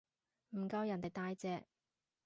唔夠人哋大隻